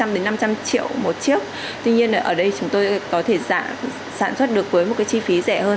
ba trăm linh đến năm trăm linh triệu một chiếc tuy nhiên ở đây chúng tôi có thể sản xuất được với một cái chi phí rẻ hơn